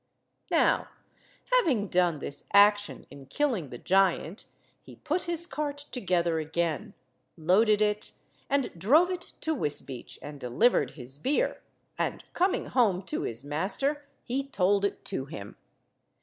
Now, having done this action in killing the giant, he put his cart together again, loaded it, and drove it to Wisbeach and delivered his beer, and, coming home to his master, he told it to him.